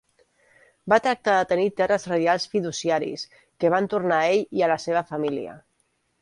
Va tractar de tenir terres reials fiduciaris que van tornar a ell i a la seva família.